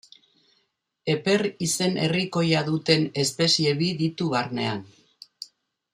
Eper izen herrikoia duten espezie bi ditu barnean.